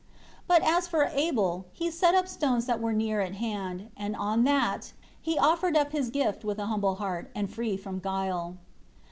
19 But as for Abel, he set up stones that were near at hand, and on that, he offered up his gift with a heart humble and free from guile.